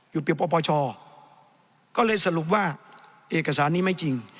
เปรียบปปชก็เลยสรุปว่าเอกสารนี้ไม่จริง